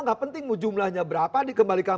nggak penting jumlahnya berapa dikembalikan